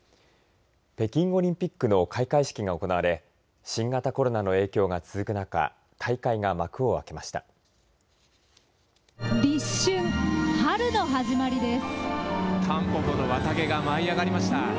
北京オリンピックの開会式が行われ新型コロナの影響が続く中大会が幕を開けました。